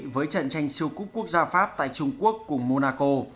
với trận tranh siêu cúp quốc gia pháp tại trung quốc cùng monaco